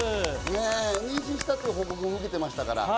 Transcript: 妊娠したって報告も受けてましたから。